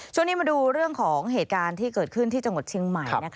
ช่วงนี้มาดูเรื่องของเหตุการณ์ที่เกิดขึ้นที่จังหวัดเชียงใหม่